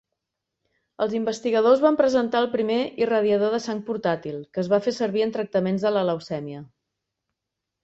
Els investigadors van presentar el primer irradiador de sang portàtil, que es va fer servir en tractaments de la leucèmia.